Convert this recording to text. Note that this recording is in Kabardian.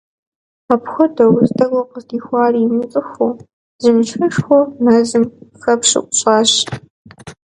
Апхуэдэу здэкӏуэм къыздихуари имыцӏыхуу, зы мыщэшхуэ мэзым къыхэпщу ӏущӏащ.